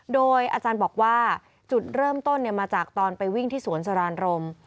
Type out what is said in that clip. โดยอาจารย์บอกว่าจุดเริ่มต้นมาจากตอนไปวิ่งที่สวนสรานรม